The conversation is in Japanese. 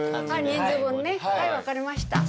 人数分ね分かりました。